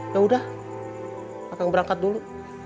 ya sudah akang berangkat dulu